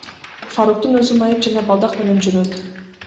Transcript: Фаруктун өзү майып жана балдак менен жүрөт.